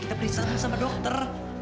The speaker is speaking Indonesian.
kita periksa sama dokter